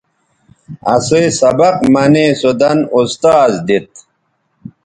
اسئ سبق منے سو دَن اُستاذ دیت